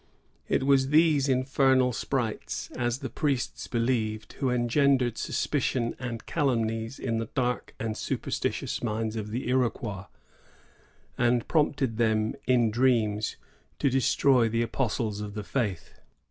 '* It was these infernal sprites, as the priests believed, who engendered suspicions and calumnies in the dark and superstitious minds of the Iroquois, and prompted them in dreams to destroy the apostles of the Faith.